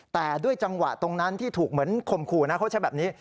แต่ด้วยจังหวะตรงนั้นที่ถูกเหมือนข่มขู่นะเขาใช้แบบนี้